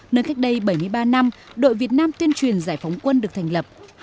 nơi cách đây bảy mươi ba năm đội việt nam tuyên truyền giải phóng quân được thành lập